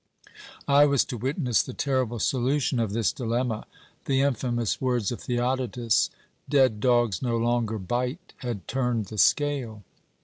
I was to witness the terrible solution of this dilemma. The infamous words of Theodotus, 'Dead dogs no longer bite,' had turned the scale.